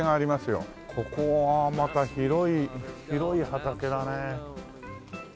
ここはまた広い広い畑だね。